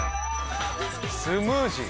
スムージー！